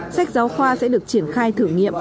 sách giáo khoa sẽ được triển khai thử nghiệm